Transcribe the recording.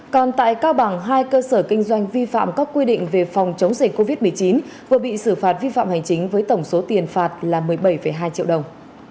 còn tại cao bằng hai cơ sở kinh doanh vi phạm các quy định về phòng chống dịch covid một mươi chín vừa bị xử phạt vi phạm hành chính với tổng số tiền phạt là một mươi bảy hai triệu đồng